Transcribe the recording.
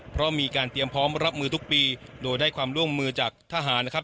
เพราะมีการเตรียมพร้อมรับมือทุกปีโดยได้ความร่วมมือจากทหารนะครับ